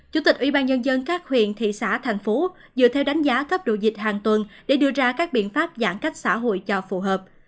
chủ tịch ủy ban nhân dân các huyện thị xã thành phố dựa theo đánh giá cấp độ dịch hàng tuần để đưa ra các biện pháp giãn cách xã hội cho phù hợp